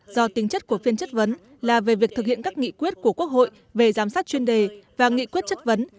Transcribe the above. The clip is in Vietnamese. do tính chất của phiên chất vấn là về việc thực hiện các nghị quyết của quốc hội về giám sát chuyên đề và nghị quyết chất vấn